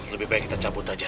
lebih baik kita cabut aja